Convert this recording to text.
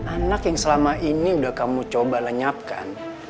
anak yang selama ini udah kamu coba lenyapkan